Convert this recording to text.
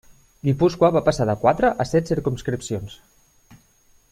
Guipúscoa va passar de quatre a set circumscripcions.